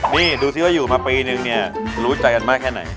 นี่ดูสิว่าอยู่มาปีนึงเนี่ยรู้ใจกันมากแค่ไหน